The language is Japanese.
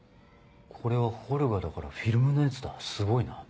これはホルガだからフィルムのやつだすごいな。